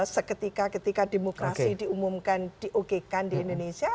seketika ketika demokrasi diumumkan di okekan di indonesia